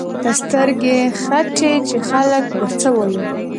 ته سترګې ختې چې خلک به څه وايي.